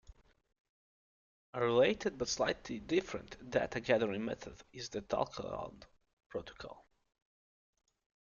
A related but slightly different data-gathering method is the talk-aloud protocol.